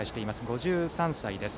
５３歳です。